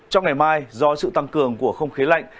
trong ngày mai do sự tăng cường của không khí lạnh